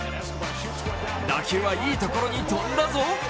打球はいいところに飛んだぞ。